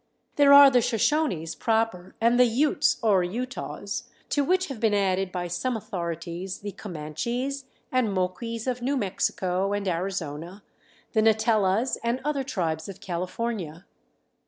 There are the Shoshones proper and the Utes or Utahs, to which have been added by some authorities the Comanches, and Moquis of New Mexico and Arizona, the Netelas and other tribes of California.